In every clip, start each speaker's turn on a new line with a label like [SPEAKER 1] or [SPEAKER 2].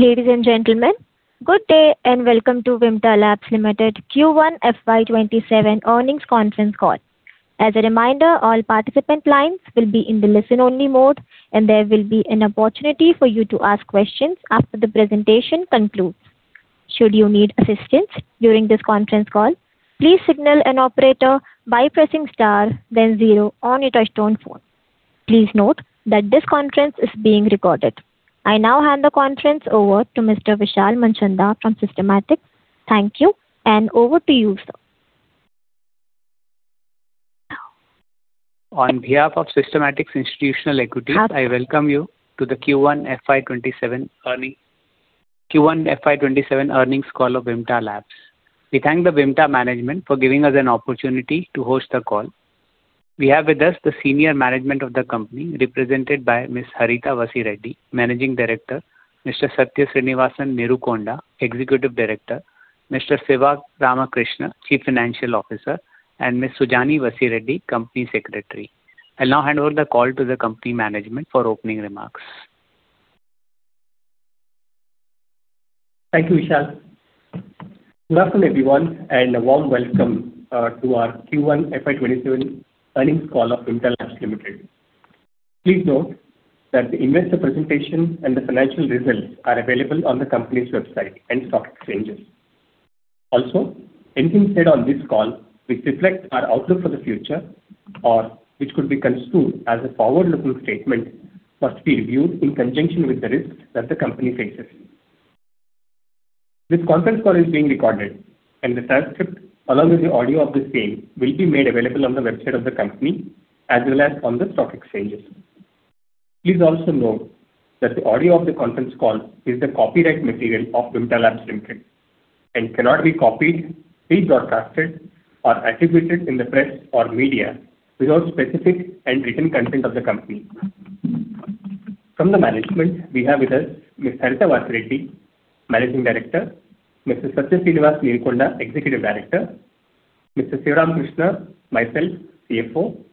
[SPEAKER 1] Ladies and gentlemen, good day and Welcome to Vimta Labs Limited Q1 FY 2027 earnings conference call. As a reminder, all participant lines will be in the listen only mode, and there will be an opportunity for you to ask questions after the presentation concludes. Should you need assistance during this conference call, please signal an operator by pressing star then zero on your touch-tone phone. Please note that this conference is being recorded. I now hand the conference over to Mr. Vishal Manchanda from Systematix. Thank you, over to you, sir.
[SPEAKER 2] On behalf of Systematix Institutional Equities. I welcome you to the Q1 FY 2027 earnings call of Vimta Labs. We thank the Vimta management for giving us an opportunity to host the call. We have with us the Senior Management of the company, represented by Ms. Harita Vasireddi, Managing Director, Mr. Satya Sreenivas Neerukonda, Executive Director, Mr. Siva Rama Krishna Kambhampati, Chief Financial Officer, and Ms. Sujani Vasireddi, Company Secretary. I'll now hand over the call to the company management for opening remarks.
[SPEAKER 3] Thank you, Vishal. Good afternoon, everyone, and a warm welcome to our Q1 FY 2027 earnings call of Vimta Labs Limited. Please note that the investor presentation and the financial results are available on the company's website and stock exchanges. Anything said on this call which reflects our outlook for the future, or which could be construed as a forward-looking statement, must be reviewed in conjunction with the risks that the company faces. This conference call is being recorded, and the transcript, along with the audio of the same, will be made available on the website of the company, as well as on the stock exchanges. Please also note that the audio of the conference call is the copyright material of Vimta Labs Limited, and cannot be copied, rebroadcasted, or attributed in the press or media without specific and written consent of the company. From the management, we have with us Ms. Harita Vasireddi, Managing Director, Mr. Satya Sreenivas Neerukonda, Executive Director, Mr. Siva Rama Krishna Kambhampati, myself, Chief Financial Officer,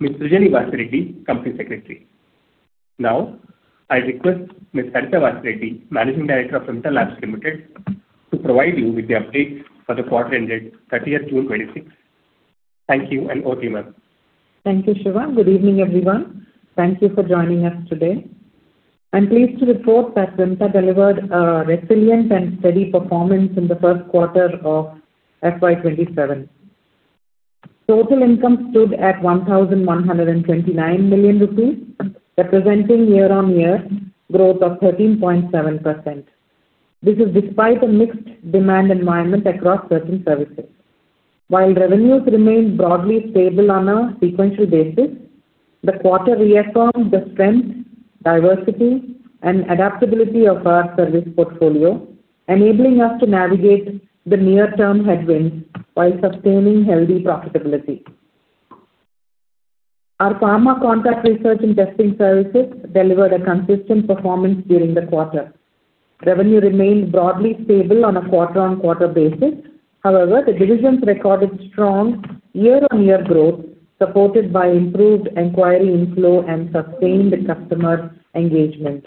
[SPEAKER 3] Ms. Sujani Vasireddi, Company Secretary. Now, I request Ms. Harita Vasireddi, Managing Director of Vimta Labs Limited, to provide you with the update for the quarter ended 30th June 2026. Thank you, and over to you, ma'am.
[SPEAKER 4] Thank you, Siva. Good evening, everyone. Thank you for joining us today. I'm pleased to report that Vimta delivered a resilient and steady performance in the first quarter of FY 2027. Total income stood at 1,129 million rupees, representing year-on-year growth of 13.7%. This is despite a mixed demand environment across certain services. While revenues remained broadly stable on a sequential basis, the quarter reaffirmed the strength, diversity, and adaptability of our service portfolio, enabling us to navigate the near-term headwinds while sustaining healthy profitability. Our pharma contract research and testing services delivered a consistent performance during the quarter. Revenue remained broadly stable on a quarter-on-quarter basis. However, the divisions recorded strong year-on-year growth, supported by improved inquiry inflow and sustained customer engagement.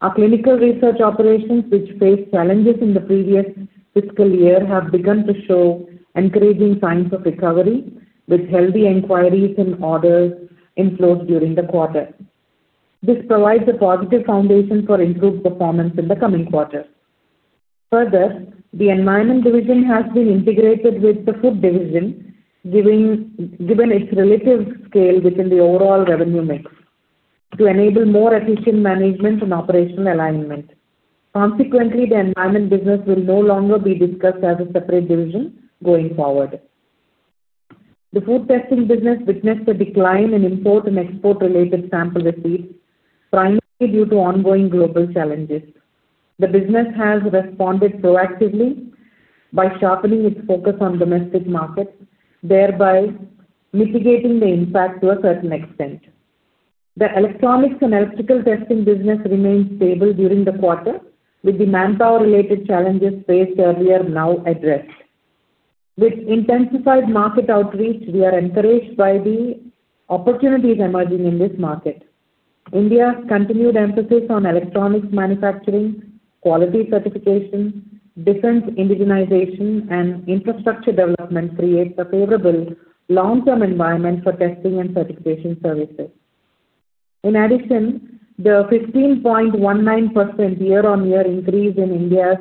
[SPEAKER 4] Our clinical research operations, which faced challenges in the previous fiscal year, have begun to show encouraging signs of recovery, with healthy inquiries and orders inflows during the quarter. This provides a positive foundation for improved performance in the coming quarters. Further, the environment division has been integrated with the food division, given its relative scale within the overall revenue mix, to enable more efficient management and operational alignment. Consequently, the environment business will no longer be discussed as a separate division going forward. The food testing business witnessed a decline in import and export-related sample receipts, primarily due to ongoing global challenges. The business has responded proactively by sharpening its focus on domestic markets, thereby mitigating the impact to a certain extent. The electronics and electrical testing business remained stable during the quarter, with the manpower-related challenges faced earlier now addressed. With intensified market outreach, we are encouraged by the opportunities emerging in this market. India's continued emphasis on electronics manufacturing, quality certification, defense indigenization, and infrastructure development creates a favorable long-term environment for testing and certification services. In addition, the 15.19% year-on-year increase in India's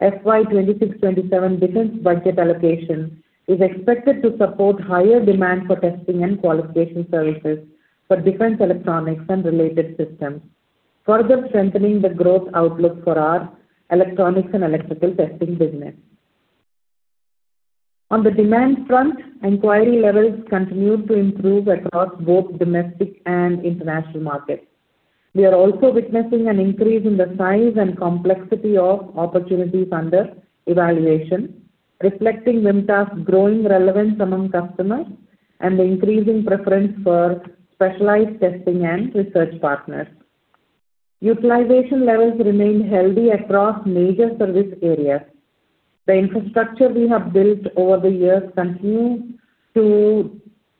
[SPEAKER 4] FY 2026/2027 defense budget allocation is expected to support higher demand for testing and qualification services for defense electronics and related systems, further strengthening the growth outlook for our electronics and electrical testing business. On the demand front, inquiry levels continued to improve across both domestic and international markets. We are also witnessing an increase in the size and complexity of opportunities under evaluation, reflecting Vimta's growing relevance among customers and the increasing preference for specialized testing and research partners. Utilization levels remained healthy across major service areas. The infrastructure we have built over the years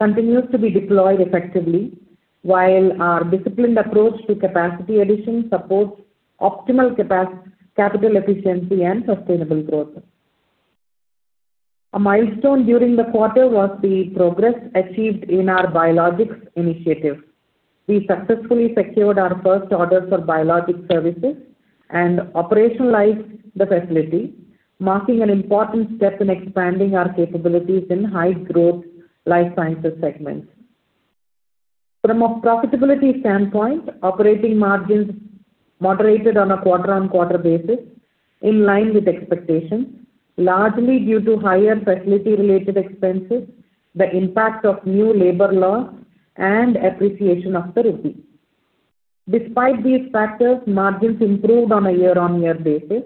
[SPEAKER 4] continues to be deployed effectively while our disciplined approach to capacity addition supports optimal capital efficiency and sustainable growth. A milestone during the quarter was the progress achieved in our biologics initiative. We successfully secured our first order for biologic services and operationalized the facility, marking an important step in expanding our capabilities in high-growth life sciences segments. From a profitability standpoint, operating margins moderated on a quarter-on-quarter basis, in line with expectations, largely due to higher facility-related expenses, the impact of new labor laws, and appreciation of the rupee. Despite these factors, margins improved on a year-on-year basis,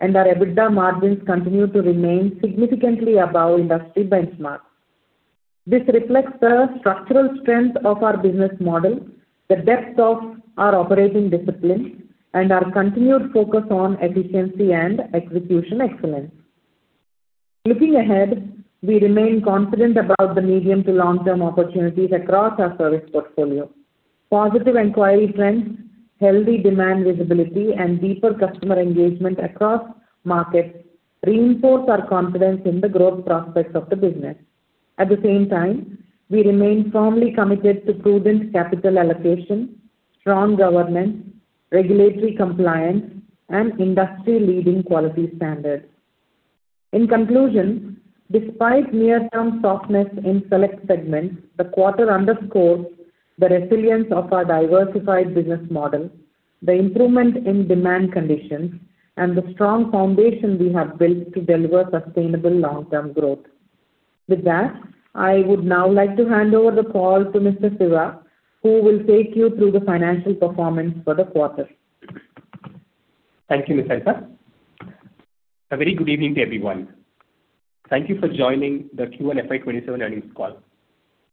[SPEAKER 4] and our EBITDA margins continue to remain significantly above industry benchmarks. This reflects the structural strength of our business model, the depth of our operating discipline, and our continued focus on efficiency and execution excellence. Looking ahead, we remain confident about the medium-to-long term opportunities across our service portfolio. Positive inquiry trends, healthy demand visibility, and deeper customer engagement across markets reinforce our confidence in the growth prospects of the business. At the same time, we remain firmly committed to prudent capital allocation, strong governance, regulatory compliance, and industry-leading quality standards. In conclusion, despite near-term softness in select segments, the quarter underscores the resilience of our diversified business model, the improvement in demand conditions, and the strong foundation we have built to deliver sustainable long-term growth. With that, I would now like to hand over the call to Mr. Siva, who will take you through the financial performance for the quarter.
[SPEAKER 3] Thank you, Ms. Harita. A very good evening to everyone. Thank you for joining the Q1 FY 2027 earnings call.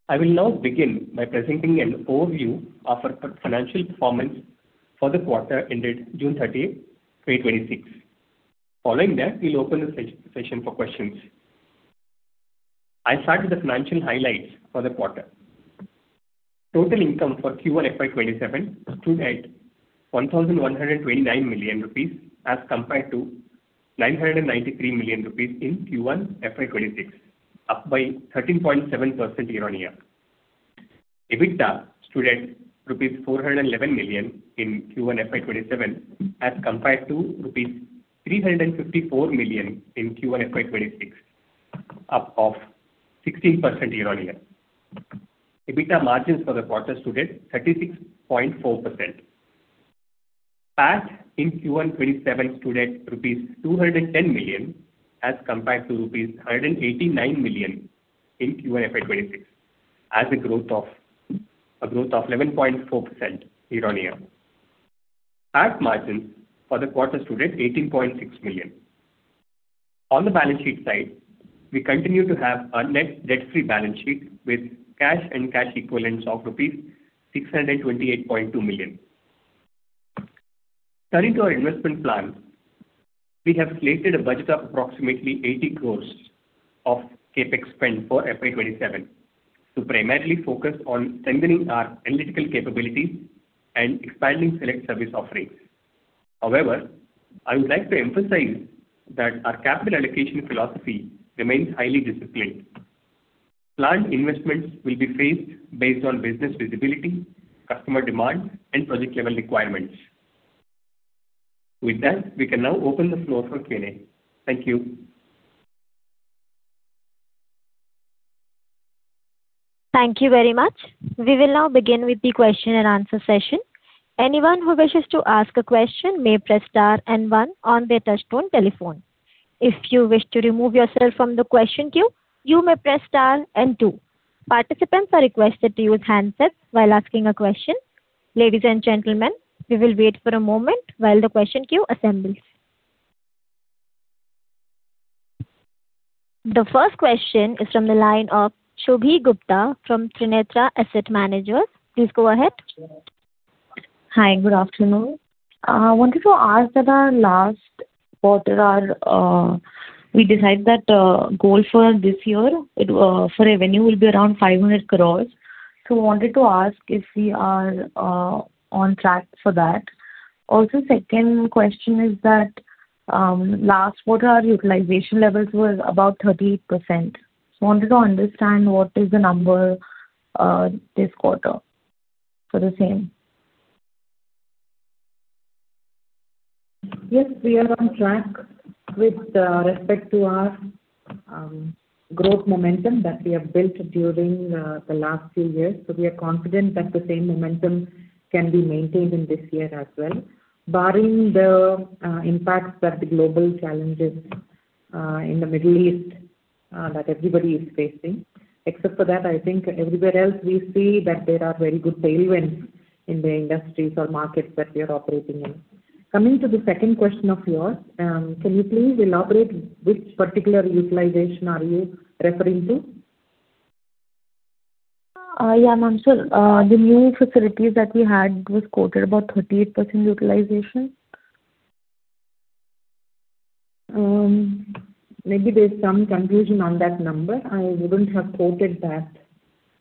[SPEAKER 3] I will now begin by presenting an overview of our financial performance for the quarter ended June 30th, 2026. Following that, we will open the session for questions. I will start with the financial highlights for the quarter. Total income for Q1 FY 2027 stood at 1,129 million rupees as compared to 993 million rupees in Q1 FY 2026, up by 13.7% year-on-year. EBITDA stood at rupees 411 million in Q1 FY 2027 as compared to rupees 354 million in Q1 FY 2026, up of 16% year-on-year. EBITDA margins for the quarter stood at 36.4%. PAT in Q1 2027 stood at rupees 210 million, as compared to rupees 189 million in Q1 FY 2026, as a growth of 11.4% year-on-year. PAT margin for the quarter stood at 18.6 million. On the balance sheet side, we continue to have a net debt-free balance sheet with cash and cash equivalents of rupees 628.2 million. Turning to our investment plan, we have slated a budget of approximately 80 crores of CapEx spend for FY 2027 to primarily focus on strengthening our analytical capabilities and expanding select service offerings. However, I would like to emphasize that our capital allocation philosophy remains highly disciplined. Planned investments will be phased based on business visibility, customer demand, and project-level requirements. With that, we can now open the floor for Q&A. Thank you.
[SPEAKER 1] Thank you very much. We will now begin with the question and answer session. Anyone who wishes to ask a question may press star and one on their touchtone telephone. If you wish to remove yourself from the question queue, you may press star and two. Participants are requested to use handsets while asking a question. Ladies and gentlemen, we will wait for a moment while the question queue assembles. The first question is from the line of Shubhi Gupta from Trinetra Asset Managers. Please go ahead.
[SPEAKER 5] Hi, good afternoon. I wanted to ask about last quarter. We decided that goal for this year for revenue will be around 500 crores. Wanted to ask if we are on track for that. Also, second question is that last quarter, our utilization levels were about 38%. Wanted to understand what is the number this quarter for the same.
[SPEAKER 4] Yes, we are on track with respect to our growth momentum that we have built during the last few years. We are confident that the same momentum can be maintained in this year as well, barring the impacts that the global challenges in the Middle East that everybody is facing. Except for that, I think everywhere else we see that there are very good tailwinds in the industries or markets that we are operating in. Coming to the second question of yours, can you please elaborate which particular utilization are you referring to?
[SPEAKER 5] Yeah, ma'am. The new facilities that we had was quoted about 38% utilization.
[SPEAKER 4] Maybe there's some confusion on that number. I wouldn't have quoted that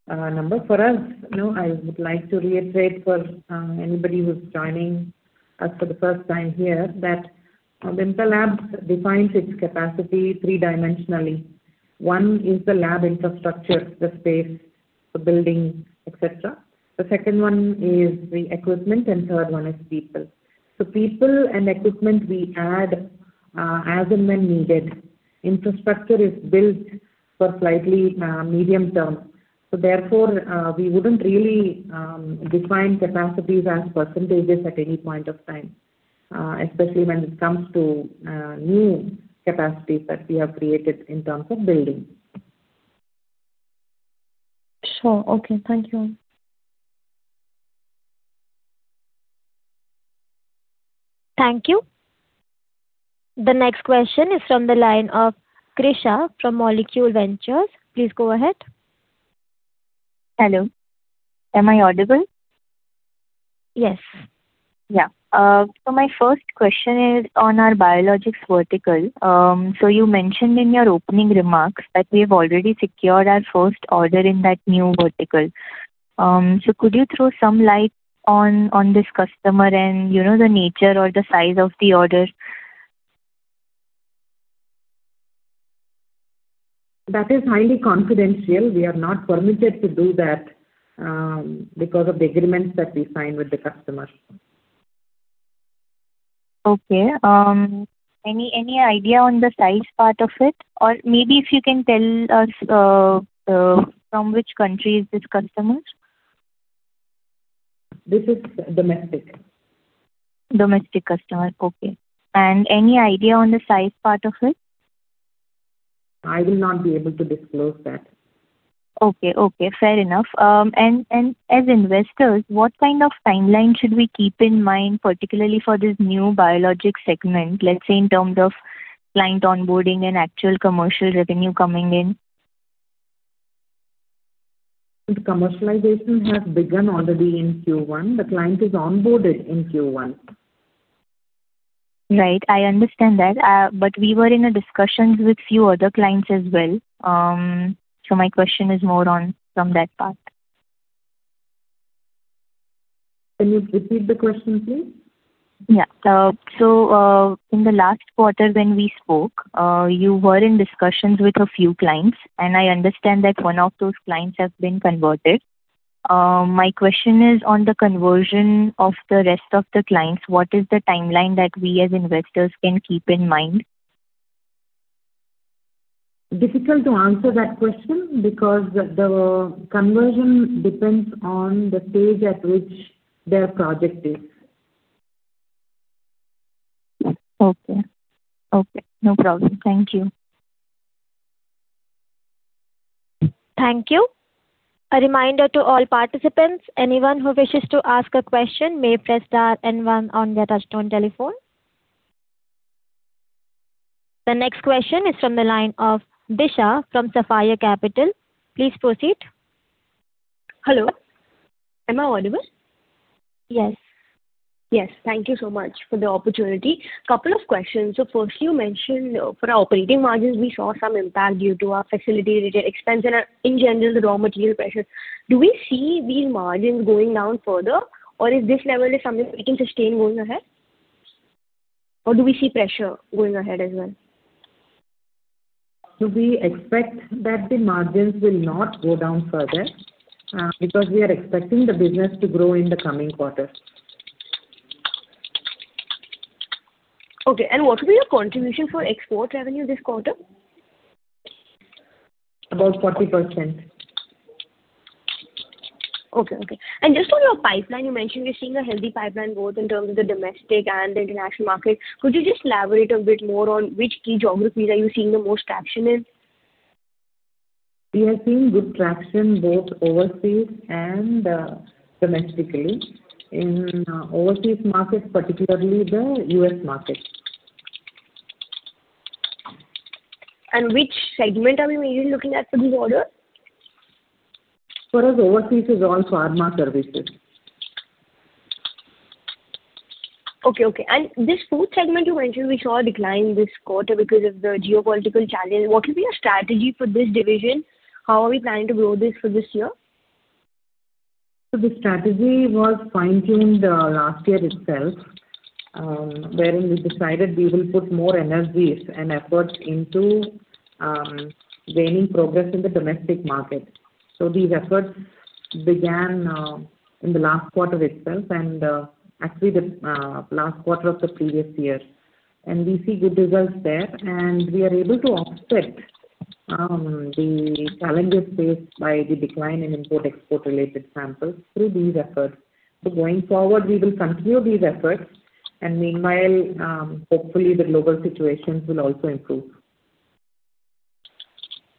[SPEAKER 4] number. For us, I would like to reiterate for anybody who's joining us for the first time here that Vimta Labs defines its capacity three-dimensionally. One is the lab infrastructure, the space, the building, et cetera. The second one is the equipment, and the third one is people. People and equipment we add as and when needed. Infrastructure is built for slightly medium-term. Therefore, we wouldn't really define capacities as percentages at any point of time, especially when it comes to new capacities that we have created in terms of building.
[SPEAKER 5] Sure. Okay. Thank you, ma'am.
[SPEAKER 1] Thank you. The next question is from the line of Krisha Kansara from Molecule Ventures. Please go ahead.
[SPEAKER 6] Hello. Am I audible?
[SPEAKER 1] Yes.
[SPEAKER 6] Yeah. My first question is on our biologics vertical. You mentioned in your opening remarks that we've already secured our first order in that new vertical. Could you throw some light on this customer and the nature or the size of the order?
[SPEAKER 4] That is highly confidential. We are not permitted to do that because of the agreements that we sign with the customers.
[SPEAKER 6] Okay. Any idea on the size part of it? Maybe if you can tell us from which country is this customer?
[SPEAKER 4] This is domestic.
[SPEAKER 6] Domestic customer. Okay. Any idea on the size part of it?
[SPEAKER 4] I will not be able to disclose that.
[SPEAKER 6] Okay. Fair enough. As investors, what kind of timeline should we keep in mind, particularly for this new biologics segment, let's say, in terms of client onboarding and actual commercial revenue coming in?
[SPEAKER 4] The commercialization has begun already in Q1. The client is onboarded in Q1.
[SPEAKER 6] Right. I understand that. We were in discussions with few other clients as well. My question is more on from that part.
[SPEAKER 4] Can you repeat the question, please?
[SPEAKER 6] In the last quarter when we spoke, you were in discussions with a few clients, and I understand that one of those clients has been converted. My question is on the conversion of the rest of the clients. What is the timeline that we as investors can keep in mind?
[SPEAKER 4] Difficult to answer that question because the conversion depends on the stage at which their project is.
[SPEAKER 6] Okay. No problem. Thank you.
[SPEAKER 1] Thank you. A reminder to all participants, anyone who wishes to ask a question may press star and one on their touchtone telephone. The next question is from the line of Disha Chordia from Sapphire Capitals. Please proceed.
[SPEAKER 7] Hello. Am I audible?
[SPEAKER 1] Yes.
[SPEAKER 7] Yes. Thank you so much for the opportunity. Couple of questions. First, you mentioned for our operating margins, we saw some impact due to our facility-related expense and in general, the raw material pressure. Do we see these margins going down further, or is this level is something we can sustain going ahead? Or do we see pressure going ahead as well?
[SPEAKER 4] We expect that the margins will not go down further, because we are expecting the business to grow in the coming quarter.
[SPEAKER 7] Okay. What will be your contribution for export revenue this quarter?
[SPEAKER 4] About 40%.
[SPEAKER 7] Okay. Just on your pipeline, you mentioned you are seeing a healthy pipeline both in terms of the domestic and the international market. Could you just elaborate a bit more on which key geographies are you seeing the most traction in?
[SPEAKER 4] We are seeing good traction both overseas and domestically. In overseas markets, particularly the U.S. market.
[SPEAKER 7] Which segment are we mainly looking at for these orders?
[SPEAKER 4] For us, overseas is all pharma services.
[SPEAKER 7] Okay. This food segment you mentioned, we saw a decline this quarter because of the geopolitical challenges. What will be your strategy for this division? How are we planning to grow this for this year?
[SPEAKER 4] The strategy was fine-tuned last year itself, wherein we decided we will put more energies and efforts into gaining progress in the domestic market. These efforts began in the last quarter itself and actually the last quarter of the previous year. We see good results there, and we are able to offset the challenges faced by the decline in import/export-related samples through these efforts. Going forward, we will continue these efforts, and meanwhile, hopefully, the global situations will also improve.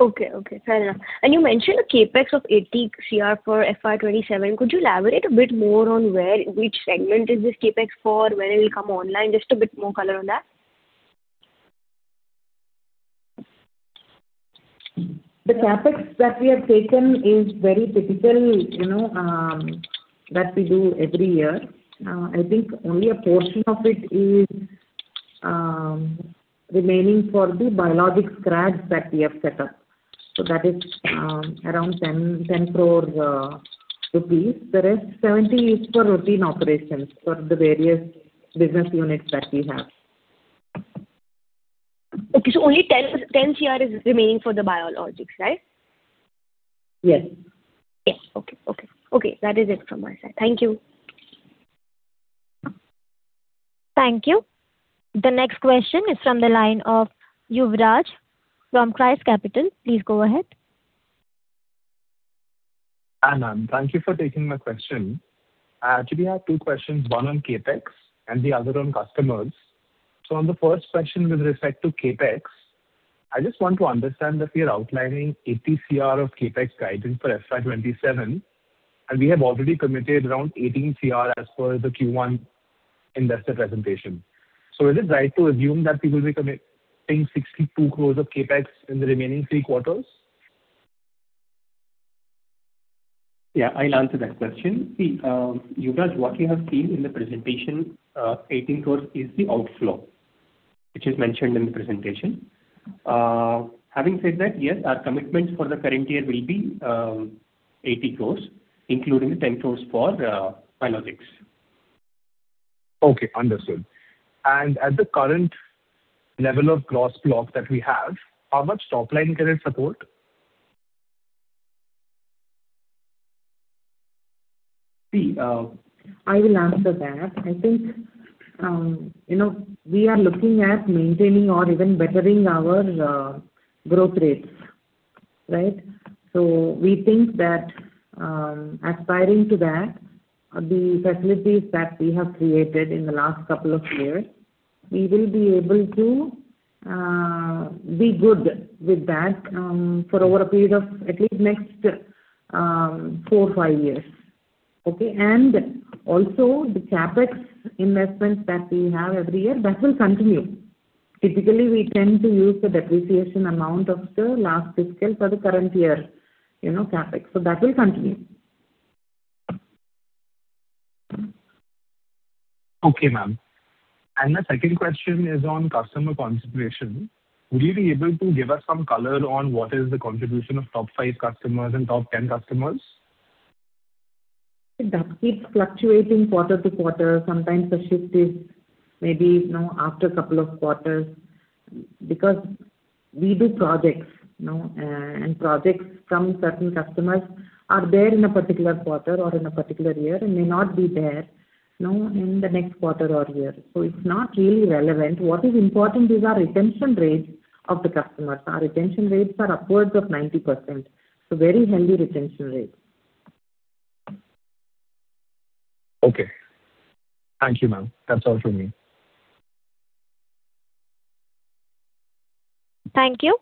[SPEAKER 7] Okay. Fair enough. You mentioned a CapEx of 80 CR for FY 2027. Could you elaborate a bit more on which segment is this CapEx for? When it will come online? Just a bit more color on that.
[SPEAKER 4] The CapEx that we have taken is very typical that we do every year. I think only a portion of it is remaining for the biologics CRAD that we have set up. That is around 10 crores rupees. The rest 70 is for routine operations for the various business units that we have.
[SPEAKER 7] Okay. Only 10 CR is remaining for the biologics, right?
[SPEAKER 4] Yes.
[SPEAKER 7] Yes. Okay. That is it from my side. Thank you.
[SPEAKER 1] Thank you. The next question is from the line of Yuvraj Sehrawat from ChrysCapital. Please go ahead.
[SPEAKER 8] Hi, ma'am. Thank you for taking my question. I actually have two questions, one on CapEx and the other on customers. On the first question with respect to CapEx, I just want to understand that we are outlining INR 80 crore of CapEx guidance for FY 2027, and we have already committed around 18 crore as per the Q1 investor presentation. Is it right to assume that we will be committing 62 crore of CapEx in the remaining three quarters?
[SPEAKER 9] Yeah, I'll answer that question. See, Yuvraj, what you have seen in the presentation 18 crore is the outflow, which is mentioned in the presentation. Having said that, yes, our commitments for the current year will be 80 crore, including the 10 crore for biologics.
[SPEAKER 8] Okay, understood. At the current level of gross block that we have, how much top line can it support?
[SPEAKER 4] I will answer that. I think, we are looking at maintaining or even bettering our growth rates. Right? We think that aspiring to that, the facilities that we have created in the last couple of years, we will be able to be good with that for over a period of at least next four or five years. Okay. Also the CapEx investments that we have every year, that will continue. Typically, we tend to use the depreciation amount of the last fiscal for the current year CapEx. That will continue.
[SPEAKER 8] Okay, ma'am. My second question is on customer concentration. Would you be able to give us some color on what is the contribution of top five customers and top 10 customers?
[SPEAKER 4] That keeps fluctuating quarter to quarter. Sometimes the shift is maybe after a couple of quarters. We do projects from certain customers are there in a particular quarter or in a particular year and may not be there in the next quarter or year. It's not really relevant. What is important is our retention rates of the customers. Our retention rates are upwards of 90%. Very healthy retention rate.
[SPEAKER 8] Okay. Thank you, ma'am. That's all from me.
[SPEAKER 1] Thank you.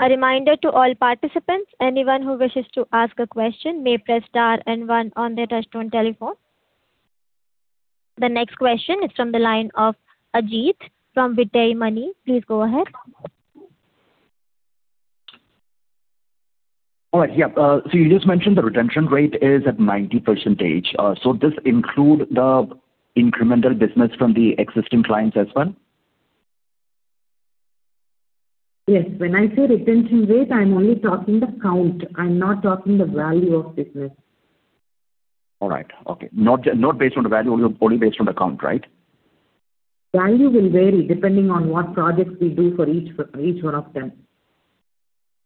[SPEAKER 1] A reminder to all participants, anyone who wishes to ask a question may press star and one on their touch-tone telephone. The next question is from the line of Ajit Kumar from Vittae Money. Please go ahead.
[SPEAKER 10] All right. Yeah. You just mentioned the retention rate is at 90%. This include the incremental business from the existing clients as well?
[SPEAKER 4] Yes. When I say retention rate, I'm only talking the count. I'm not talking the value of business.
[SPEAKER 10] All right. Okay. Not based on the value, only based on the count, right?
[SPEAKER 4] Value will vary depending on what projects we do for each one of them.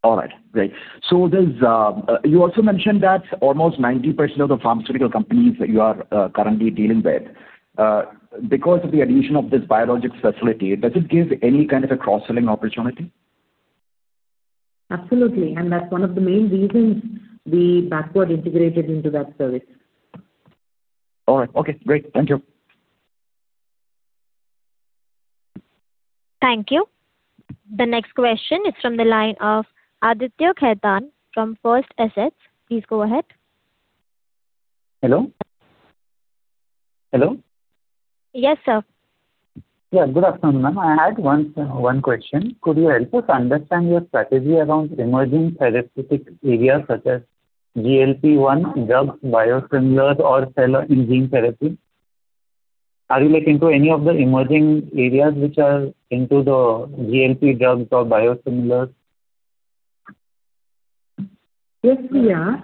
[SPEAKER 10] All right, great. You also mentioned that almost 90% of the pharmaceutical companies you are currently dealing with. Because of the addition of this biologics facility, does it give any kind of a cross-selling opportunity?
[SPEAKER 4] Absolutely. That's one of the main reasons we backward integrated into that service.
[SPEAKER 10] All right. Okay, great. Thank you.
[SPEAKER 1] Thank you. The next question is from the line of Aditya Khaitan from First Assetz. Please go ahead.
[SPEAKER 11] Hello? Hello?
[SPEAKER 1] Yes, sir.
[SPEAKER 11] Good afternoon, ma'am. I had one question. Could you help us understand your strategy around emerging therapeutic areas such as GLP-1 drugs, biosimilars, or cell and gene therapy? Are you looking into any of the emerging areas which are into the GLP drugs or biosimilars?
[SPEAKER 4] Yes, we are.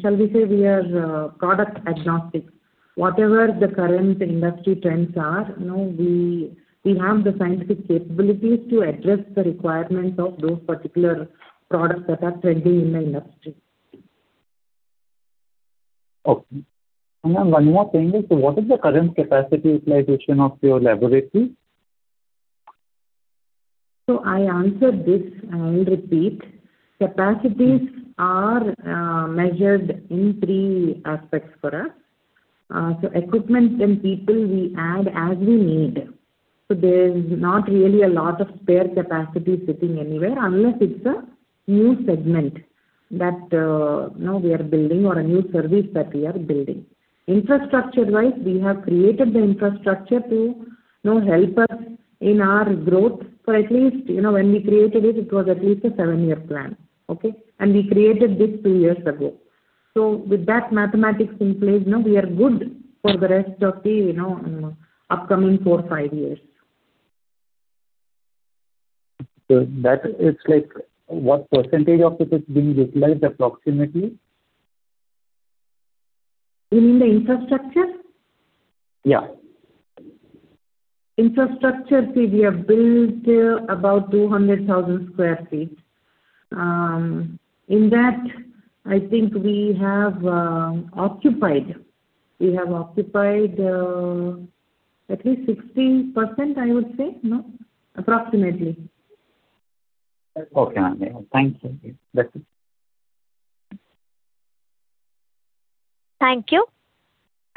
[SPEAKER 4] Shall we say we are product agnostic. Whatever the current industry trends are, we have the scientific capabilities to address the requirements of those particular products that are trending in the industry.
[SPEAKER 11] Okay. Ma'am, one more thing is, what is the current capacity utilization of your laboratory?
[SPEAKER 4] I answered this. I'll repeat. Capacities are measured in three aspects for us. Equipment and people we add as we need. There's not really a lot of spare capacity sitting anywhere unless it's a new segment that we are building or a new service that we are building. Infrastructure-wise, we have created the infrastructure to help us in our growth. At least when we created it was at least a seven-year plan. Okay? We created this two years ago. With that mathematics in place, we are good for the rest of the upcoming four or five years.
[SPEAKER 11] That is like, what percentage of it is being utilized approximately?
[SPEAKER 4] You mean the infrastructure?
[SPEAKER 11] Yeah.
[SPEAKER 4] Infrastructure, we have built about 200,000 sq ft. In that, I think we have occupied at least 16%, I would say, approximately.
[SPEAKER 11] Okay, ma'am. Thank you.
[SPEAKER 1] Thank you.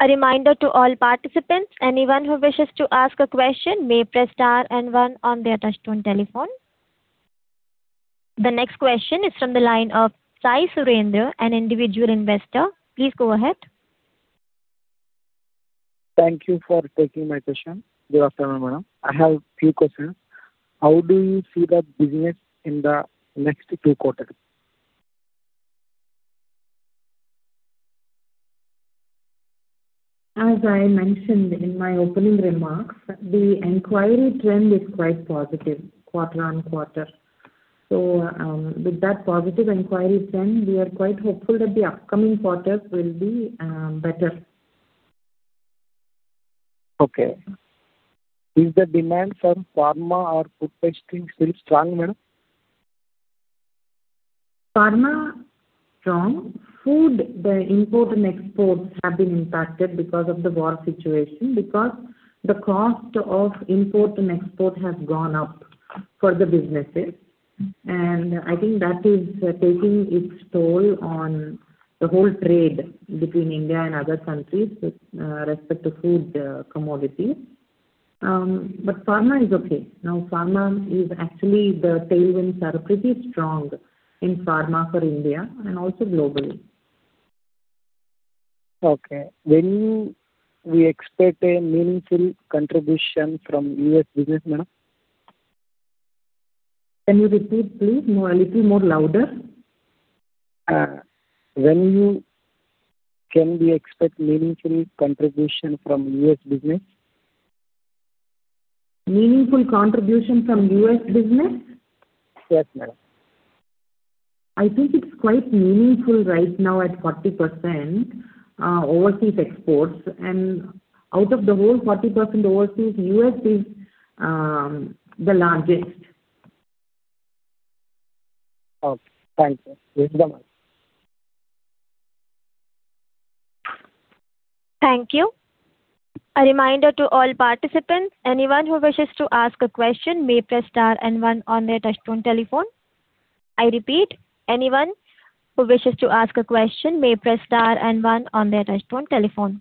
[SPEAKER 1] A reminder to all participants, anyone who wishes to ask a question may press star and one on their touch-tone telephone. The next question is from the line of Sai Surender, an Individual Investor. Please go ahead.
[SPEAKER 12] Thank you for taking my question. Good afternoon, madam. I have few questions. How do you see the business in the next two quarters?
[SPEAKER 4] As I mentioned in my opening remarks, the inquiry trend is quite positive quarter-on-quarter. With that positive inquiry trend, we are quite hopeful that the upcoming quarters will be better.
[SPEAKER 12] Okay. Is the demand from pharma or food testing still strong, madam?
[SPEAKER 4] Pharma, strong. Food, the import and exports have been impacted because of the war situation, because the cost of import and export has gone up for the businesses. I think that is taking its toll on the whole trade between India and other countries with respect to food commodities. Pharma is okay. Now, pharma is actually the tailwinds are pretty strong in pharma for India and also globally.
[SPEAKER 12] Okay. When we expect a meaningful contribution from U.S. business, madam?
[SPEAKER 4] Can you repeat please, a little more louder?
[SPEAKER 12] When can we expect meaningful contribution from U.S. business?
[SPEAKER 4] Meaningful contribution from U.S. business?
[SPEAKER 12] Yes, madam.
[SPEAKER 4] I think it's quite meaningful right now at 40% overseas exports, and out of the whole 40% overseas, U.S. is the largest.
[SPEAKER 12] Okay, thank you.
[SPEAKER 1] Thank you. A reminder to all participants, anyone who wishes to ask a question may press star and one on their touchtone telephone. I repeat, anyone who wishes to ask a question may press star and one on their touchtone telephone.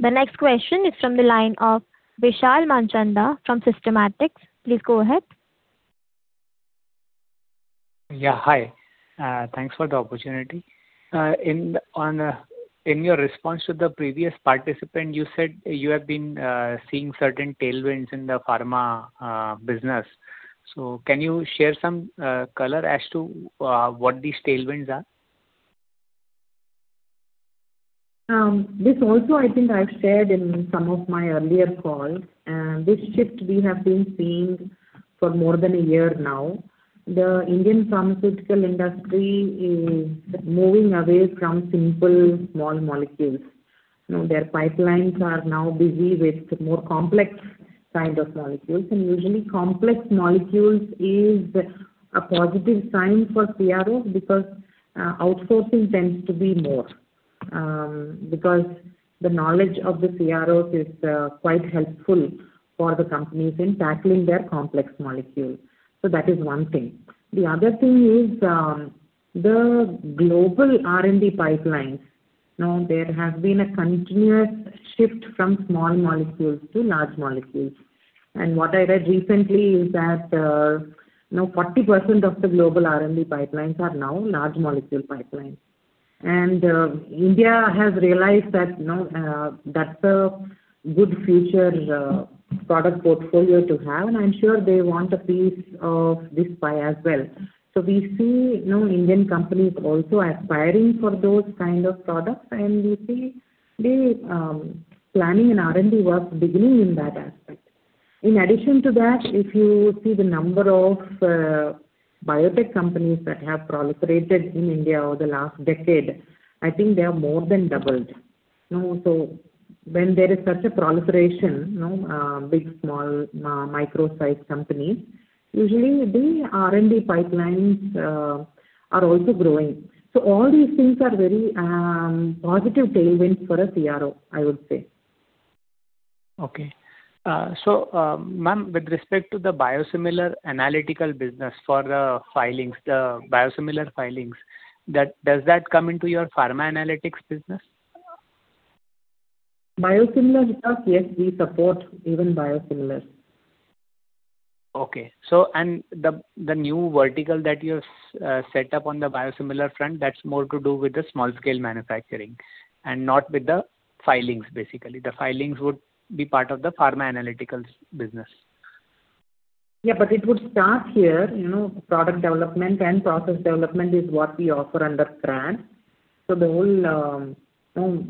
[SPEAKER 1] The next question is from the line of Vishal Manchanda from Systematix. Please go ahead.
[SPEAKER 2] Yeah, hi. Thanks for the opportunity. In your response to the previous participant, you said you have been seeing certain tailwinds in the pharma business. Can you share some color as to what these tailwinds are?
[SPEAKER 4] This also, I think I've shared in some of my earlier calls. This shift we have been seeing for more than a year now. The Indian pharmaceutical industry is moving away from simple small molecules. Their pipelines are now busy with more complex kind of molecules. Usually, complex molecules is a positive sign for CROs because outsourcing tends to be more. Because the knowledge of the CROs is quite helpful for the companies in tackling their complex molecule. That is one thing. The other thing is the global R&D pipelines. There has been a continuous shift from small molecules to large molecules. What I read recently is that 40% of the global R&D pipelines are now large molecule pipelines. India has realized that that's a good future product portfolio to have, and I'm sure they want a piece of this pie as well. We see Indian companies also aspiring for those kind of products, and we see they planning an R&D work beginning in that aspect. In addition to that, if you see the number of biotech companies that have proliferated in India over the last decade, I think they have more than doubled. When there is such a proliferation, big, small, micro size companies, usually the R&D pipelines are also growing. All these things are very positive tailwinds for a CRO, I would say.
[SPEAKER 2] Okay. ma'am, with respect to the biosimilar analytical business for the filings, the biosimilar filings, does that come into your pharma analytics business?
[SPEAKER 4] Biosimilars, yes we support even biosimilars.
[SPEAKER 2] Okay. The new vertical that you set up on the biosimilar front, that's more to do with the small-scale manufacturing and not with the filings, basically. The filings would be part of the pharma analytical business.
[SPEAKER 4] Yeah, it would start here. Product development and process development is what we offer under CRAD. The whole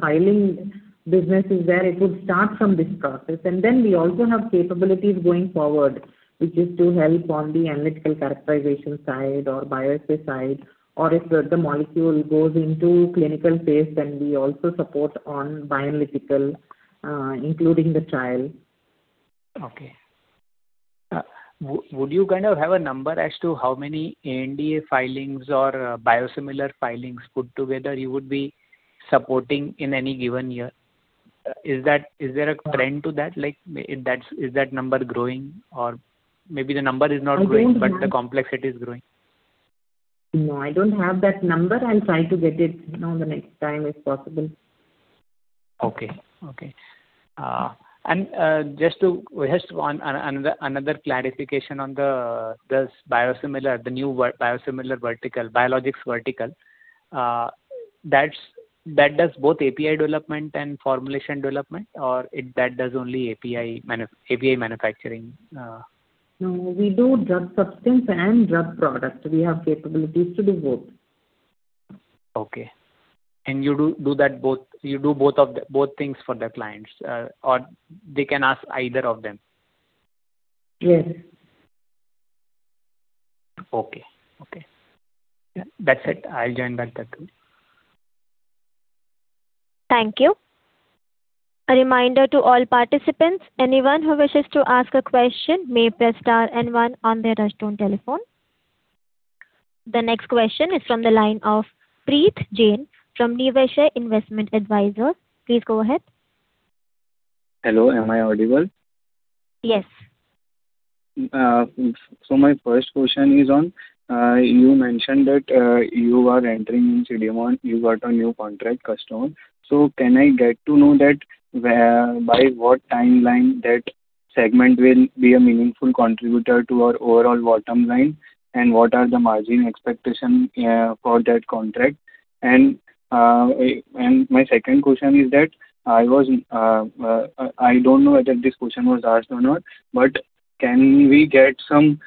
[SPEAKER 4] filing business is where it would start from this process. Then we also have capabilities going forward, which is to help on the analytical characterization side or bioassay side, or if the molecule goes into clinical phase, then we also support on bioanalytical, including the trial.
[SPEAKER 2] Okay. Would you have a number as to how many NDA filings or biosimilar filings put together you would be supporting in any given year? Is there a trend to that? Is that number growing? Or maybe the number is not growing.
[SPEAKER 4] I don't have
[SPEAKER 2] The complexity is growing.
[SPEAKER 4] No, I don't have that number. I'll try to get it the next time if possible.
[SPEAKER 2] Okay. Just another clarification on the new biosimilar vertical, biologics vertical. That does both API development and formulation development, or that does only API manufacturing?
[SPEAKER 4] No, we do drug substance and drug product. We have capabilities to do both.
[SPEAKER 2] Okay. You do both things for the clients, or they can ask either of them?
[SPEAKER 4] Yes.
[SPEAKER 2] Okay. That's it. I'll join back.
[SPEAKER 1] Thank you. A reminder to all participants, anyone who wishes to ask a question may press star and one on their touchtone telephone. The next question is from the line of Preet Jain from Niveshaay Investment Advisory. Please go ahead.
[SPEAKER 13] Hello, am I audible?
[SPEAKER 1] Yes.
[SPEAKER 13] My first question is on, you mentioned that you are entering into demand, you got a new contract customer. Can I get to know that by what timeline that segment will be a meaningful contributor to our overall bottom line? What are the margin expectation for that contract? My second question is that, I don't know whether this question was asked or not, but can we get some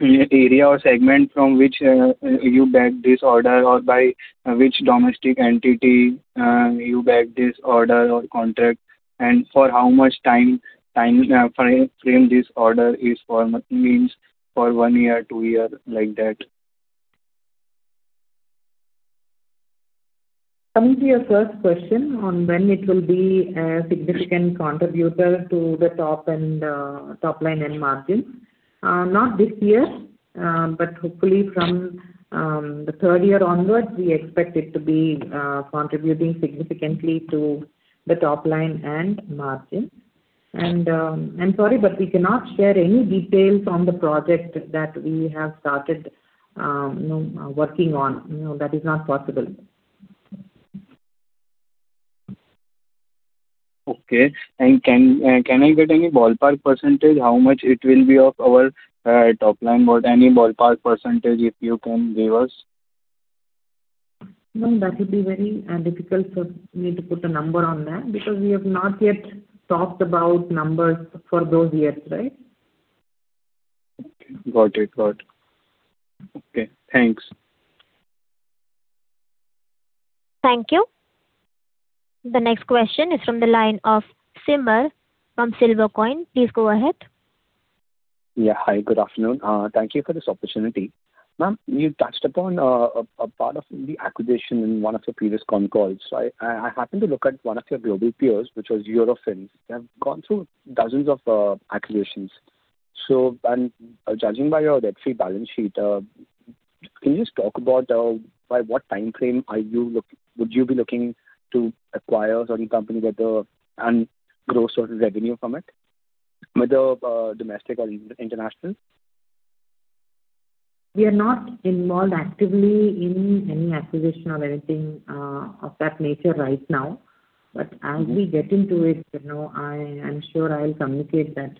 [SPEAKER 13] area or segment from which you bagged this order or by which domestic entity you bagged this order or contract? For how much time frame this order is for? Means, for one year, two year, like that.
[SPEAKER 4] Coming to your first question on when it will be a significant contributor to the top line and margin. Not this year, but hopefully from the third year onwards, we expect it to be contributing significantly to the top line and margin. I'm sorry, but we cannot share any details on the project that we have started working on. That is not possible.
[SPEAKER 13] Okay. Can I get any ballpark percentage how much it will be of our top line? Any ballpark percentage if you can give us.
[SPEAKER 4] No, that would be very difficult for me to put a number on that because we have not yet talked about numbers for those years.
[SPEAKER 13] Okay. Got it. Okay. Thanks.
[SPEAKER 1] Thank you. The next question is from the line of Simarpreet Singh from Silvercoin Capital. Please go ahead.
[SPEAKER 14] Yeah. Hi, good afternoon. Thank you for this opportunity. Ma'am, you touched upon a part of the acquisition in one of your previous con calls. I happened to look at one of your global peers, which was Eurofins. They have gone through dozens of acquisitions. Judging by your debt-free balance sheet, can you just talk about by what time frame would you be looking to acquire some company and grow certain revenue from it, whether domestic or international?
[SPEAKER 4] We are not involved actively in any acquisition or anything of that nature right now. As we get into it, I am sure I'll communicate that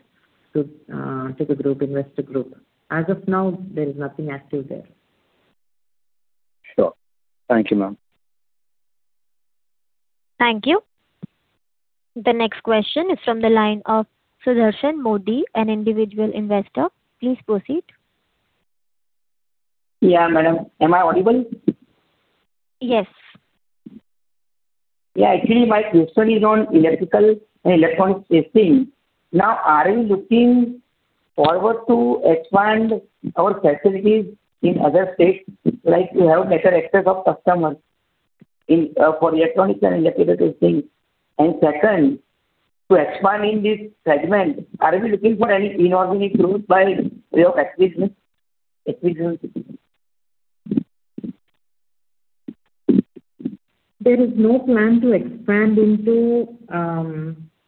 [SPEAKER 4] to the investor group. As of now, there is nothing active there.
[SPEAKER 14] Sure. Thank you, ma'am.
[SPEAKER 1] Thank you. The next question is from the line of Sudarshan Mody, an Individual Investor. Please proceed.
[SPEAKER 15] Yeah, madam. Am I audible?
[SPEAKER 1] Yes.
[SPEAKER 15] Yeah. Actually, my question is on electrical and electronic testing. Now, are you looking forward to expand our facilities in other states, like you have better access of customers for electronic and electrical testing? Second, to expand in this segment, are you looking for any inorganic route by way of acquisitions?
[SPEAKER 4] There is no plan to expand into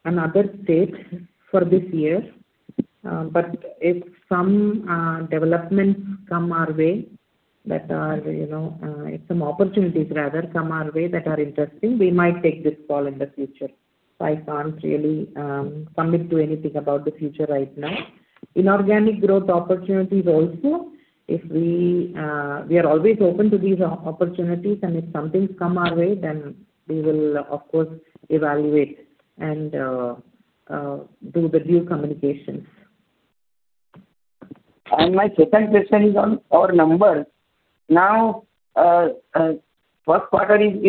[SPEAKER 4] another state for this year. If some developments come our way, if some opportunities rather come our way that are interesting, we might take this call in the future. I can't really commit to anything about the future right now. Inorganic growth opportunities also, we are always open to these opportunities, and if something comes our way, then we will of course evaluate and do the due communications.
[SPEAKER 15] My second question is on our numbers. Now, first quarter is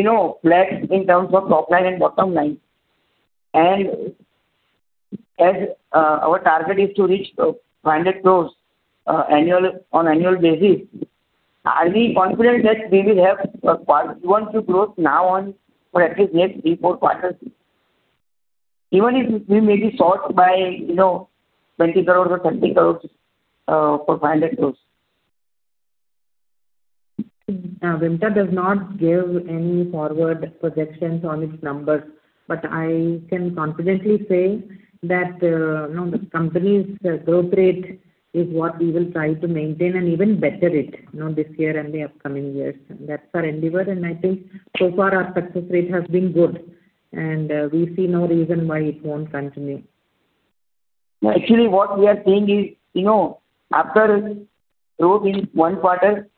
[SPEAKER 15] flat in terms of top line and bottom line. As our target is to reach 500 crore on annual basis, are we confident that we will have Q1 to growth now on for at least next three, four quarters? Even if we may be short by 20 crore or 30 crore for 500 crore.
[SPEAKER 4] Vimta does not give any forward projections on its numbers. I can confidently say that the company's growth rate is what we will try to maintain and even better it this year and the upcoming years. That's our endeavor. I think so far our success rate has been good, and we see no reason why it won't continue.
[SPEAKER 15] Actually, what we are seeing is, after growth in one quarter,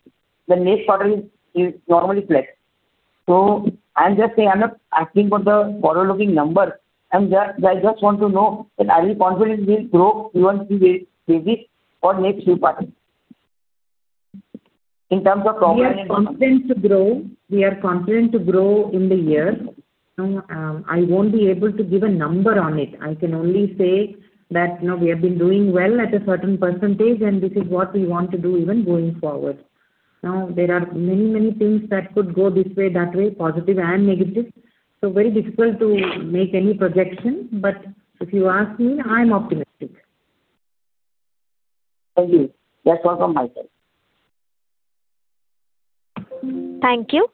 [SPEAKER 15] the next quarter is normally flat. I'm just saying I'm not asking for the forward-looking number. I just want to know that are we confident we'll grow Q1 three ways for next few quarters in terms of top line and bottom line.
[SPEAKER 4] We are confident to grow in the year. I won't be able to give a number on it. I can only say that we have been doing well at a certain percentage, and this is what we want to do even going forward. There are many things that could go this way, that way, positive and negative. Very difficult to make any projection. If you ask me, I'm optimistic.
[SPEAKER 15] Thank you. That's all from my side.
[SPEAKER 1] Thank you.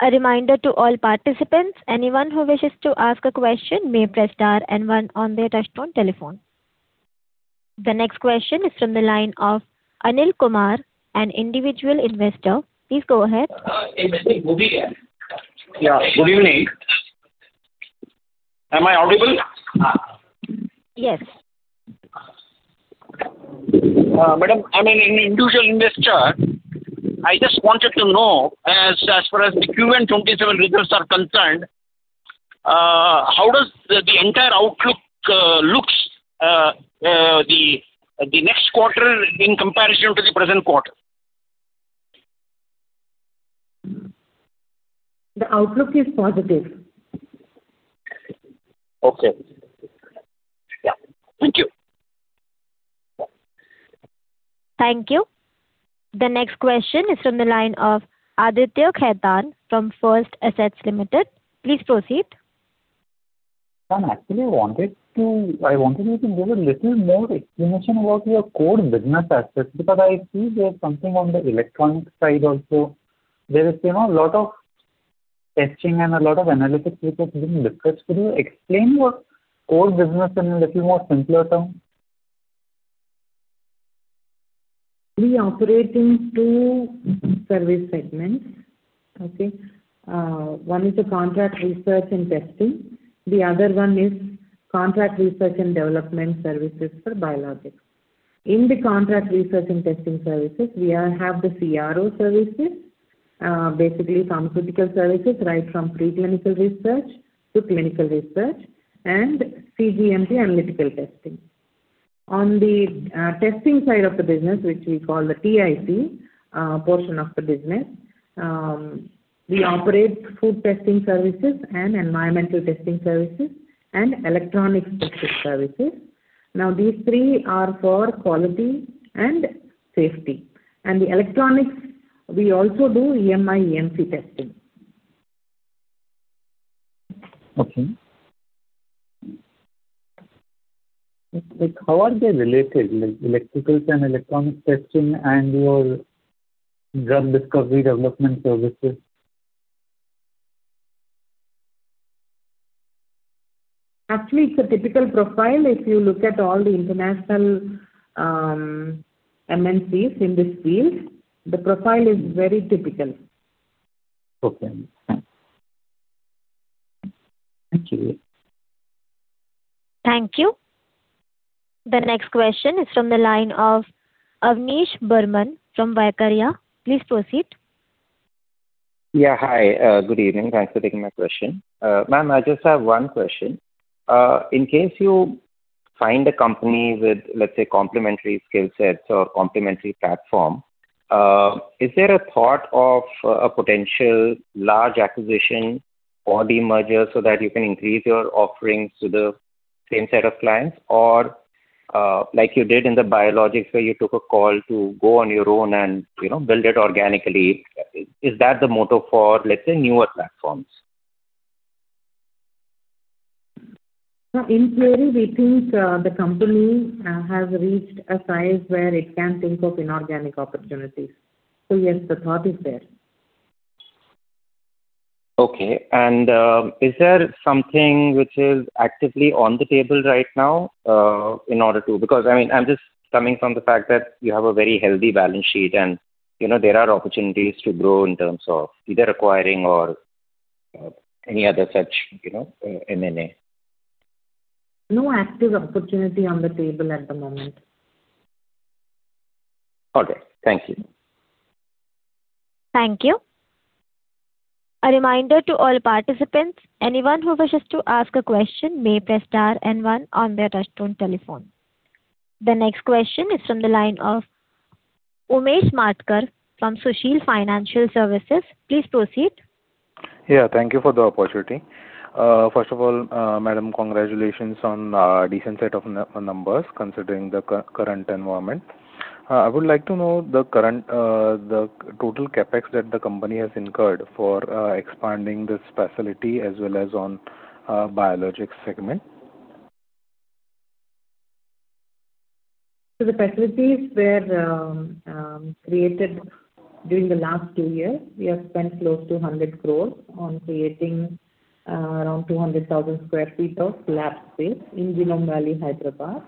[SPEAKER 1] A reminder to all participants, anyone who wishes to ask a question may press star and one on their touchtone telephone. The next question is from the line of Anil Kumar, an Individual Investor. Please go ahead.
[SPEAKER 16] Good evening. Am I audible?
[SPEAKER 1] Yes.
[SPEAKER 16] Madam, I'm an Individual Investor. I just wanted to know, as far as the Q1 2027 results are concerned, how does the entire outlook looks the next quarter in comparison to the present quarter?
[SPEAKER 4] The outlook is positive.
[SPEAKER 16] Okay. Yeah. Thank you.
[SPEAKER 1] Thank you. The next question is from the line of Aditya Khaitan from First Assetz Limited. Please proceed.
[SPEAKER 11] Ma'am, actually, I wanted you to give a little more explanation about your core business assets because I see there's something on the electronic side also. There is a lot of testing and a lot of analytics which has been discussed. Could you explain your core business in a little more simpler term?
[SPEAKER 4] We operate in two service segments. Okay? One is the contract research and testing. The other one is contract research and development services for biologics. In the contract research and testing services, we have the CRO services. Basically pharmaceutical services, right from pre-clinical research to clinical research, and CGMP analytical testing. On the testing side of the business, which we call the TIP portion of the business. We operate food testing services and environmental testing services and electronic testing services. Now, these three are for quality and safety. The electronics, we also do EMI/EMC testing.
[SPEAKER 11] Okay. How are they related, electrical and electronic testing and your drug discovery development services?
[SPEAKER 4] Actually, it's a typical profile. If you look at all the international MNCs in this field, the profile is very typical.
[SPEAKER 11] Okay. Thank you.
[SPEAKER 1] Thank you. The next question is from the line of Avnish Burman from Vaikarya. Please proceed.
[SPEAKER 17] Yeah. Hi, good evening. Thanks for taking my question. Ma'am, I just have one question. In case you find a company with, let's say, complementary skill sets or complementary platform, is there a thought of a potential large acquisition or demerger so that you can increase your offerings to the same set of clients? Or like you did in the biologics where you took a call to go on your own and build it organically. Is that the motto for, let's say, newer platforms?
[SPEAKER 4] In theory, we think the company has reached a size where it can think of inorganic opportunities. Yes, the thought is there.
[SPEAKER 17] Okay. Is there something which is actively on the table right now in order to? Because I'm just coming from the fact that you have a very healthy balance sheet, and there are opportunities to grow in terms of either acquiring or any other such M&A.
[SPEAKER 4] No active opportunity on the table at the moment.
[SPEAKER 17] Okay. Thank you.
[SPEAKER 1] Thank you. A reminder to all participants, anyone who wishes to ask a question may press star and one on their touch-tone telephone. The next question is from the line of Umesh Matkar from Sushil Financial Services. Please proceed.
[SPEAKER 18] Yeah, thank you for the opportunity. First of all, madam, congratulations on a decent set of numbers considering the current environment. I would like to know the total CapEx that the company has incurred for expanding this facility as well as on biologics segment.
[SPEAKER 4] The facilities were created during the last two years. We have spent close to 100 crores on creating around 200,000 sq ft of lab space in Genome Valley, Hyderabad.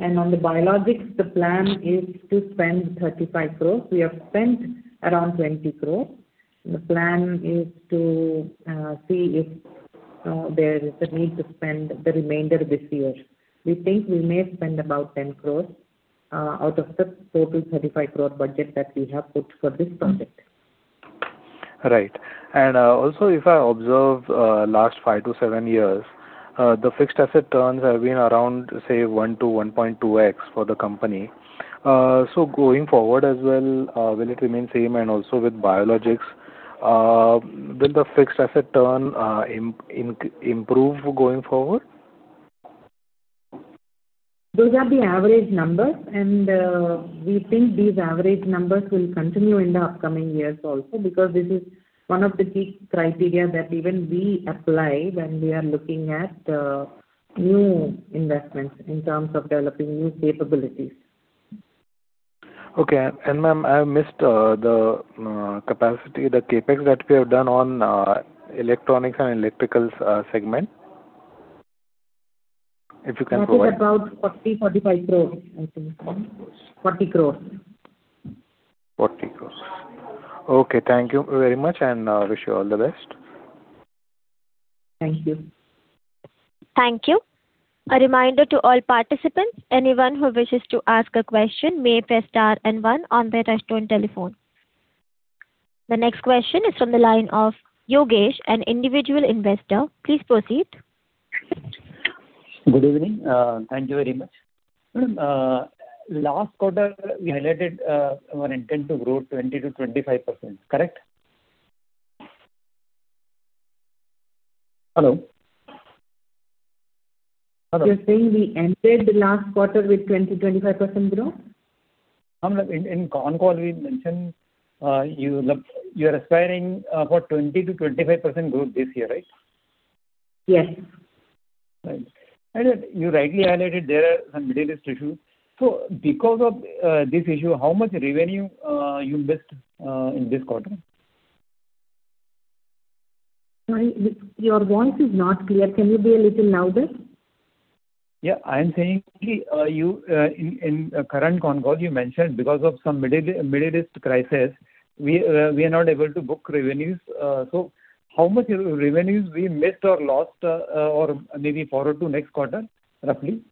[SPEAKER 4] On the biologics, the plan is to spend 35 crores. We have spent around 20 crores. The plan is to see if there is a need to spend the remainder this year. We think we may spend about 10 crores out of the total 35 crore budget that we have put for this project.
[SPEAKER 18] Right. Also if I observe last five to seven years, the fixed asset turns have been around, say, one to 1.2x for the company. Going forward as well, will it remain same? Also with biologics, will the fixed asset turn improve going forward?
[SPEAKER 4] Those are the average numbers. We think these average numbers will continue in the upcoming years also because this is one of the key criteria that even we apply when we are looking at new investments in terms of developing new capabilities.
[SPEAKER 18] Okay. Ma'am, I missed the capacity, the CapEx that we have done on electronics and electricals segment. If you can provide.
[SPEAKER 4] That is about 40 crores, 45 crores, I think. 40 crores.
[SPEAKER 18] 40 crores. Okay. Thank you very much, and wish you all the best.
[SPEAKER 4] Thank you.
[SPEAKER 1] Thank you. A reminder to all participants, anyone who wishes to ask a question may press star and one on their touch-tone telephone. The next question is from the line of Yogesh, an Individual Investor. Please proceed.
[SPEAKER 19] Good evening. Thank you very much. Madam, last quarter we highlighted our intent to grow 20%-25%, correct? Hello? Hello.
[SPEAKER 4] You're saying we entered the last quarter with 20%-25% growth?
[SPEAKER 19] No, madam. In con call we mentioned you're aspiring for 20%-25% growth this year, right?
[SPEAKER 4] Yes.
[SPEAKER 19] Right. You rightly highlighted there are some Middle East issues. Because of this issue, how much revenue you missed in this quarter?
[SPEAKER 4] Sorry, your voice is not clear. Can you be a little louder?
[SPEAKER 19] Yeah. I am saying, you, in current con call, you mentioned because of some Middle East crisis, we are not able to book revenues. How much revenues we missed or lost or maybe forward to next quarter, roughly?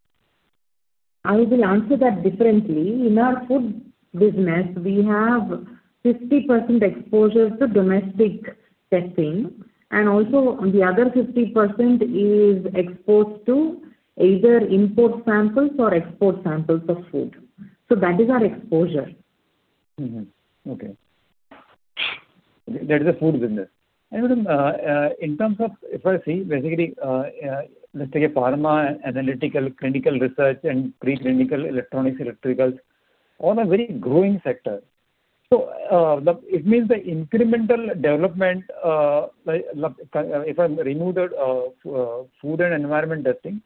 [SPEAKER 4] I will answer that differently. In our food business, we have 50% exposure to domestic testing, and also the other 50% is exposed to either import samples or export samples of food. That is our exposure.
[SPEAKER 19] Okay. That is the food business. madam, in terms of if I see, basically, let's take pharma, analytical, clinical research, and preclinical electronics, electricals, all are very growing sector. it means the incremental development, if I remove the food and environment testing,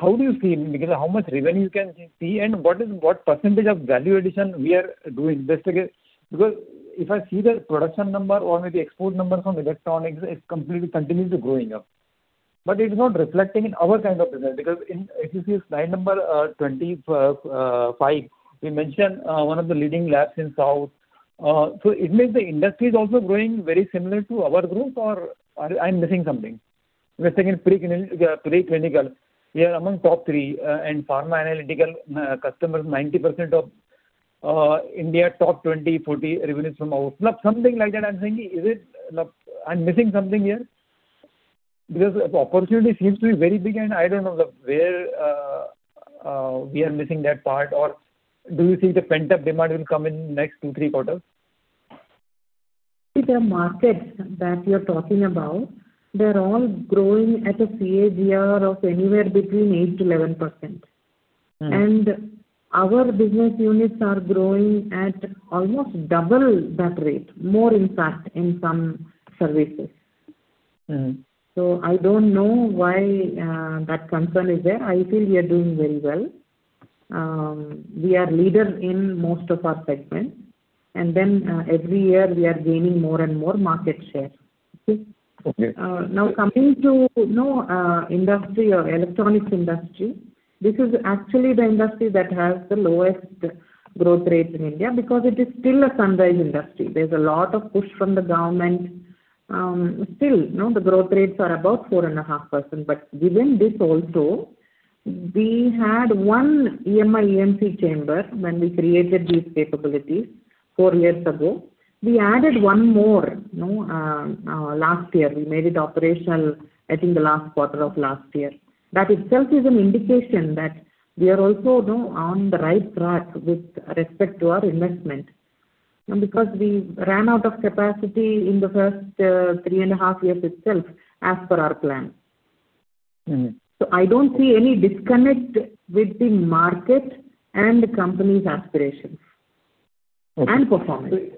[SPEAKER 19] how do you see, because how much revenue you can see and what percentage of value addition we are doing? if I see the production number or maybe export numbers from electronics, it completely continues to growing up. it is not reflecting in our kind of business because if you see slide number 25, we mentioned one of the leading labs in South. it means the industry is also growing very similar to our group or I'm missing something. We are saying in preclinical, we are among top three, and pharma analytical customers, 90% of India top 20, 40 revenues from our Something like that I'm saying. I'm missing something here? the opportunity seems to be very big, and I don't know where we are missing that part or do you think the pent-up demand will come in next two, three quarters?
[SPEAKER 4] See, the markets that you're talking about, they're all growing at a CAGR of anywhere between 8%-11%. Our business units are growing at almost double that rate. More, in fact, in some services. I don't know why that concern is there. I feel we are doing very well. We are leader in most of our segments. Every year we are gaining more and more market share. Okay?
[SPEAKER 19] Okay.
[SPEAKER 4] Now coming to industry or electronics industry, this is actually the industry that has the lowest growth rate in India because it is still a sunrise industry. There's a lot of push from the government. Still, the growth rates are above 4.5%. Given this also, we had one EMI/EMC chamber when we created these capabilities four years ago. We added one more last year. We made it operational, I think, the last quarter of last year. That itself is an indication that we are also on the right track with respect to our investment. Because we ran out of capacity in the first three and a half years itself as per our plan. I don't see any disconnect with the market and the company's aspirations and performance.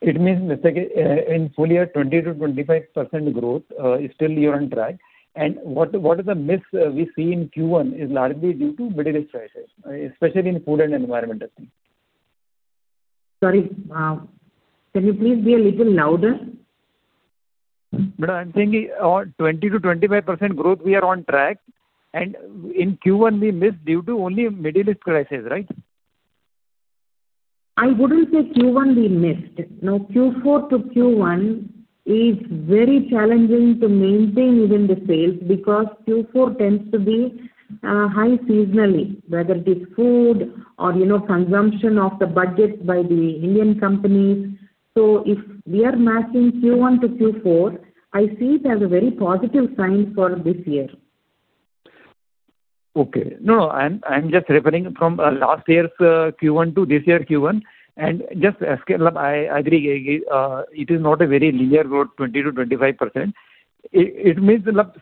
[SPEAKER 19] It means in full year, 20%-25% growth, still you're on track. What is the miss we see in Q1 is largely due to Middle East crisis, especially in food and environmental scene.
[SPEAKER 4] Sorry. Can you please be a little louder?
[SPEAKER 19] Madam, I'm saying on 20%-25% growth, we are on track, and in Q1 we missed due to only Middle East crisis, right?
[SPEAKER 4] I wouldn't say Q1 we missed. Q4-Q1 is very challenging to maintain within the sales because Q4 tends to be high seasonally, whether it is food or consumption of the budget by the Indian companies. If we are matching Q1-Q4, I see it as a very positive sign for this year.
[SPEAKER 19] Okay. I'm just referring from last year's Q1 to this year's Q1, and just asking. I agree, it is not a very linear growth, 20%-25%.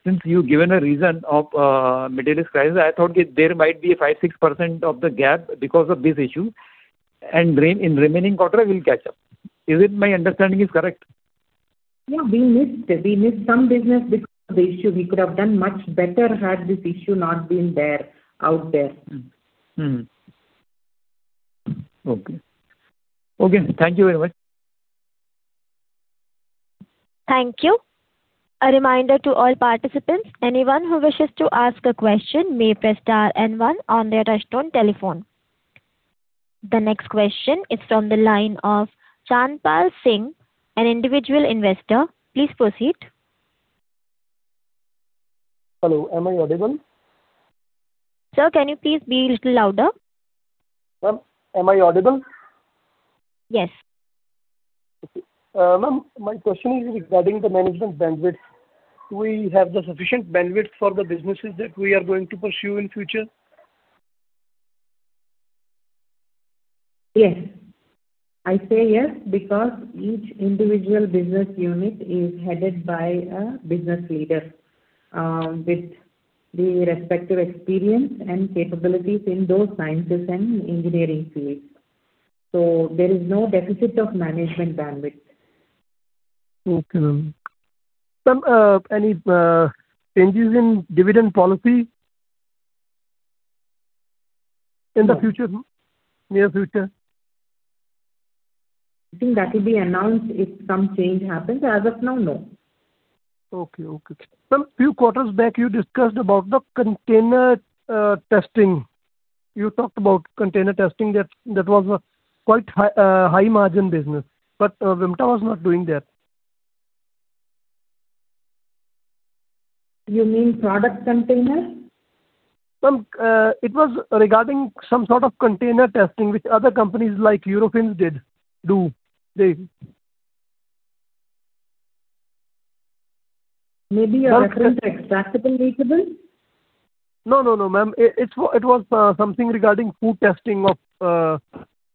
[SPEAKER 19] Since you've given a reason of Middle East crisis, I thought there might be a 5%-6% of the gap because of this issue, and in remaining quarter it will catch up. Is it my understanding is correct?
[SPEAKER 4] We missed. We missed some business because of the issue. We could have done much better had this issue not been out there.
[SPEAKER 19] Okay. Thank you very much.
[SPEAKER 1] Thank you. A reminder to all participants, anyone who wishes to ask a question may press star and one on their touchtone telephone. The next question is from the line of Chandpal Singh, an Individual Investor. Please proceed.
[SPEAKER 20] Hello, am I audible?
[SPEAKER 1] Sir, can you please be a little louder?
[SPEAKER 20] Ma'am I audible?
[SPEAKER 1] Yes.
[SPEAKER 20] Okay. Ma'am, my question is regarding the management bandwidth. Do we have the sufficient bandwidth for the businesses that we are going to pursue in future?
[SPEAKER 4] Yes. I say yes because each individual business unit is headed by a business leader with the respective experience and capabilities in those sciences and engineering fields. There is no deficit of management bandwidth.
[SPEAKER 20] Okay, ma'am. Ma'am, any changes in dividend policy in the near future?
[SPEAKER 4] I think that will be announced if some change happens. As of now, no.
[SPEAKER 20] Okay. Ma'am, few quarters back, you discussed about the container testing. You talked about container testing, that was a quite high margin business. Vimta was not doing that.
[SPEAKER 4] You mean product container?
[SPEAKER 20] Ma'am, it was regarding some sort of container testing which other companies like Eurofins do.
[SPEAKER 4] Maybe you're referring to extractables and leachables?
[SPEAKER 20] No, ma'am. It was something regarding food testing of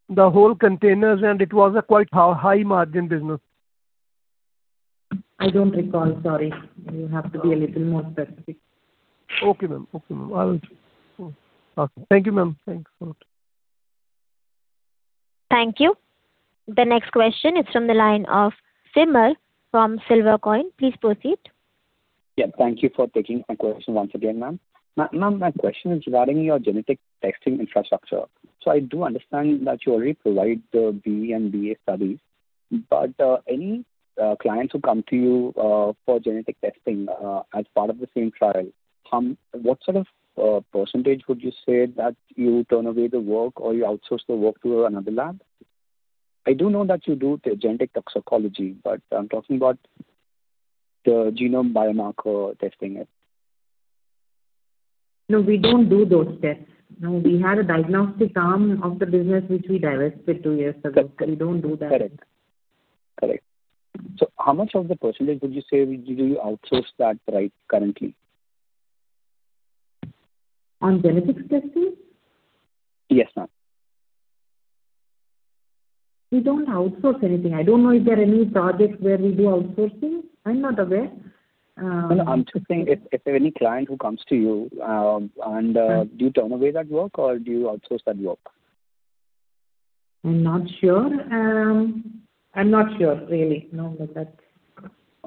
[SPEAKER 20] the whole containers, and it was a quite high margin business.
[SPEAKER 4] I don't recall, sorry. You have to be a little more specific.
[SPEAKER 20] Okay, ma'am. Thank you, ma'am. Thanks a lot.
[SPEAKER 1] Thank you. The next question is from the line of Simarpreet Singh from Silvercoin Capital. Please proceed.
[SPEAKER 14] Thank you for taking my question once again, ma'am. Ma'am, my question is regarding your genetic testing infrastructure. I do understand that you already provide the BE and BA studies. Any clients who come to you for genetic testing as part of the same trial, what sort of percentage would you say that you turn away the work or you outsource the work to another lab? I do know that you do the genetic toxicology, I am talking about the genome biomarker testing.
[SPEAKER 4] We don't do those tests. We had a diagnostic arm of the business which we divested two years ago. We don't do that.
[SPEAKER 14] Correct. How much of the percentage would you say did you outsource that right currently?
[SPEAKER 4] On genetic testing?
[SPEAKER 14] Yes, ma'am.
[SPEAKER 4] We don't outsource anything. I don't know if there are any projects where we do outsourcing. I'm not aware.
[SPEAKER 14] No, I'm just saying if there are any client who comes to you.
[SPEAKER 4] Right.
[SPEAKER 14] Do you turn away that work or do you outsource that work?
[SPEAKER 4] I'm not sure. I'm not sure really. No, that's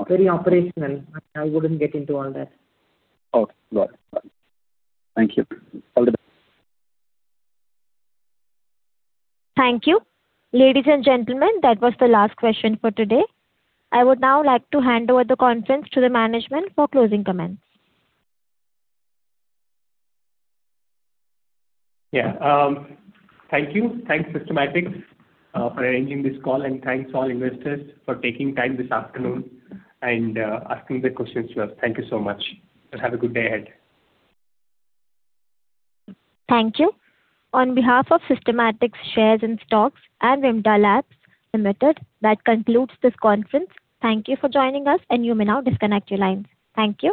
[SPEAKER 4] very operational. I wouldn't get into all that.
[SPEAKER 14] Okay, got it. Thank you. All the best.
[SPEAKER 1] Thank you. Ladies and gentlemen, that was the last question for today. I would now like to hand over the conference to the management for closing comments.
[SPEAKER 4] Thank you. Thanks, Systematix, for arranging this call and thanks all investors for taking time this afternoon and asking the questions as well. Thank you so much and have a good day ahead.
[SPEAKER 1] Thank you. On behalf of Systematix Shares and Stocks and Vimta Labs Limited, that concludes this conference. Thank you for joining us and you may now disconnect your lines. Thank you.